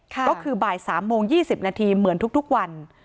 ก็คือบ่าย๓โมง๒๐นาทีเหมือนทุกวัน